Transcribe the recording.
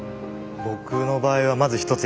僕の場合はまず一つ